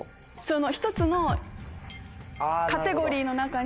その１つのカテゴリーの中に。